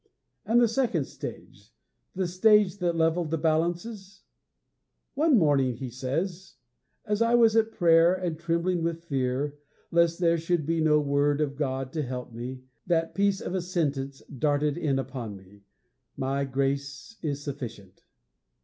And the second stage the stage that leveled the balances? 'One morning,' he says, 'as I was at prayer, and trembling with fear, lest there should be no word of God to help me, that piece of a sentence darted in upon me: _My grace is sufficient!